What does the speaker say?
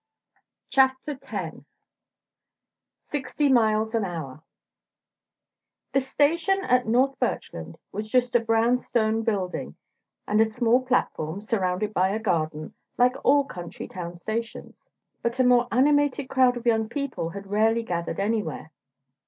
CHAPTER X SIXTY MILES AN HOUR The station at North Birchland was just a brown stone building, and a small platform, surrounded by a garden, like all country town stations. But a more animated crowd of young people had rarely gathered anywhere.